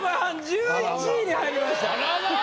１１位に入りました。